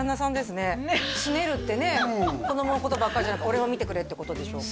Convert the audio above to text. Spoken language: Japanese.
すねるってね子供のことばっかじゃなくて俺を見てくれってことでしょ？